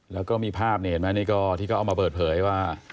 แล้วก็มีภาพนี่เห็นไหมนี่ก็ที่เขาเอามาเปิดเผยว่า